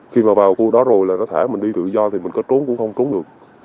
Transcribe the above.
khi mà vào khu đó rồi là có thể mình đi tự do thì mình có trốn cũng không trốn được